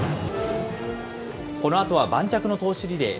このあとは盤石の投手リレー。